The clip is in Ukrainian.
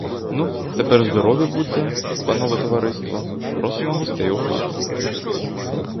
Ну, тепер, здорові будьте, панове товариство, просимо гостей у хату.